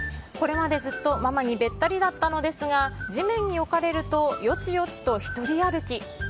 これまでずっとママにべったりだったのですが、地面に置かれると、よちよちとひとり歩き。